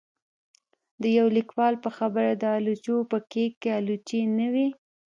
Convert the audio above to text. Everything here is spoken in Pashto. د يو ليکوال په خبره د آلوچو په کېک کې آلوچې نه وې